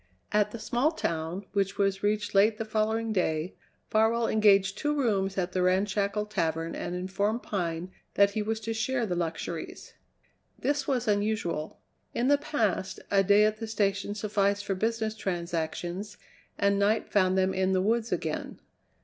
At the small town, which was reached late the following day, Farwell engaged two rooms at the ramshackle tavern and informed Pine that he was to share the luxuries. This was unusual. In the past a day at the station sufficed for business transactions, and night found them in the woods again.